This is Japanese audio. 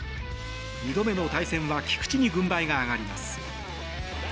２度目の対戦は菊池に軍配が上がります。